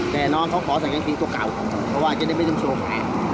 แต่น้องเขาขอสังเกิดตัวเก่าเพราะว่าจะได้ไม่จำโชค